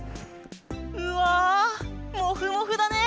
うわあモフモフだね！